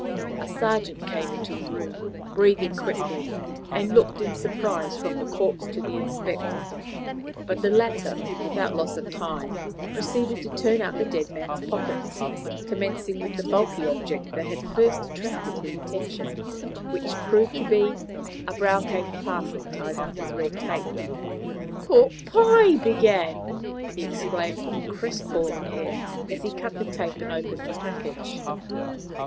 A sergeant came into the room, breathing quickly, and looked in surprise from the corpse to the inspector. But the latter, without loss of time, proceeded to turn out the dead man's pockets, commencing with the bulky object that had first attracted his attention; which proved to be a brown paper parcel tied up with red tape. "Pork pie, begad!" he exclaimed with a crestfallen air as he cut the tape and opened the package.